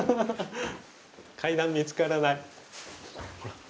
階段見つからない？